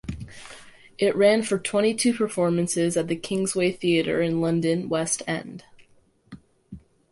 It ran for twenty two performances at the Kingsway Theatre in London West End.